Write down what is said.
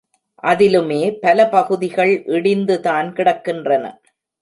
அதிலுமே பல பகுதிகள் இடிந்து தான் கிடக்கின்றன.